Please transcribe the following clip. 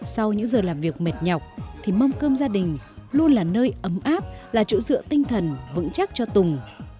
sau những giờ làm việc mệt nhọc thì mâm cơm gia đình luôn là nơi ấm áp là chỗ dựa tinh thần vững chắc cho tùng